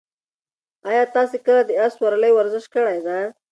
ایا تاسي کله د اس سورلۍ ورزش کړی دی؟